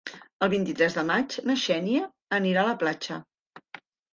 El vint-i-tres de maig na Xènia anirà a la platja.